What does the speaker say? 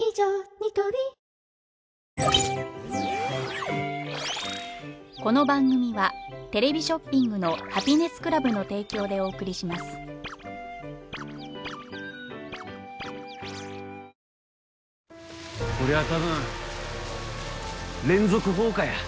ニトリこりゃ多分連続放火や。